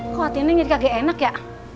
kok waktu ini jadi tidak enak ya